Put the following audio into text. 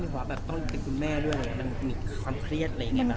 เป็นคุณแม่ด้วยมันมีความเครียดหรือยังไง